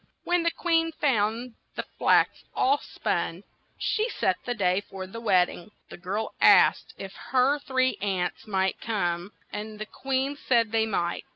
When the queen found the flax all spun, she set the day for the wed ding. The girl asked if her three aunts might come, and the queen said they might.